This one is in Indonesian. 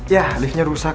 yah liftnya rusak